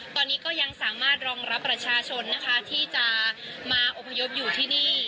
ตอนนี้ก็ยังสามารถรองรับประชาชนนะคะที่จะมาอพยพอยู่ที่นี่